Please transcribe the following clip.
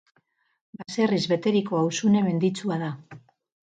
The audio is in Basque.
Baserriz beteriko auzune menditsua da.